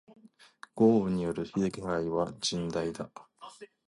豪雨による被害は甚大だ。